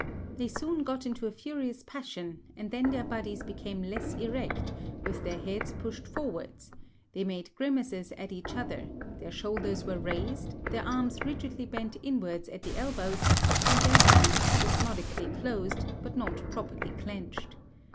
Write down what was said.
They soon got into a furious passion, and then their bodies became less erect, with their heads pushed forwards; they made grimaces at each other; their shoulders were raised; their arms rigidly bent inwards at the elbows, and their hands spasmodically closed, but not properly clenched.